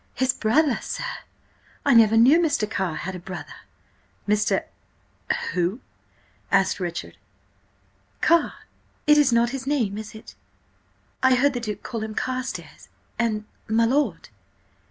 "His brother, sir? I never knew Mr. Carr had a brother!" "Mr.—who?" asked Richard. "Carr. It is not his name, is it? I heard the Duke call him Carstares–and–my lord."